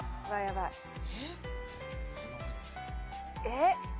えっ？